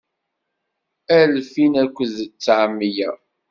Alfin akked tteɛmiyya.